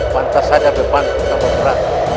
pantas saja beban tambah berat